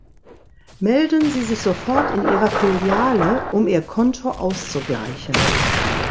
Melden Sie sich sofort in ihrer Filiale, um ihr Konto auszugleichen.